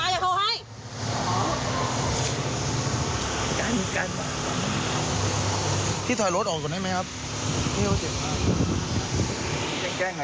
อย่าเจอเธอมาก